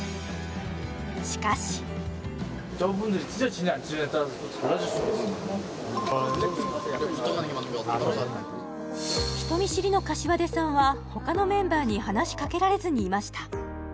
しかし人見知りの膳さんはほかのメンバーに話しかけられずにいました